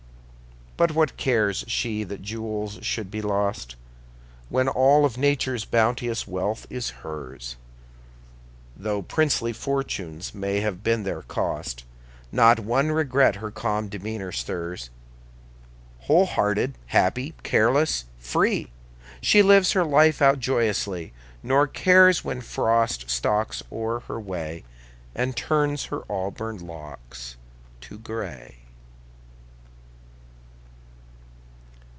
But what cares she that jewels should be lost, When all of Nature's bounteous wealth is hers? Though princely fortunes may have been their cost, Not one regret her calm demeanor stirs. Whole hearted, happy, careless, free, She lives her life out joyously, Nor cares when Frost stalks o'er her way And turns her auburn locks to gray.